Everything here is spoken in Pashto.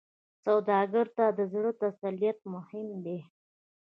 سوالګر ته د زړه تسلیت مهم دی